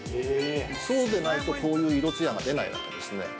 そうでないと、こういう色つやが出ないわけですね。